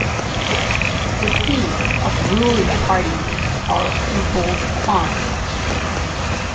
The seats of ruling parties are in bold fonts.